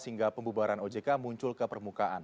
sehingga pembubaran ojk muncul ke permukaan